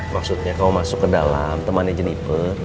maksudnya kamu masuk ke dalam temannya jenipe